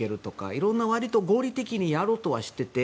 いろいろな、割と合理的にやろうとはしていて。